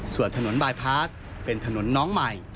ส่วนถนนบายพาสเป็นถนนน้องใหม่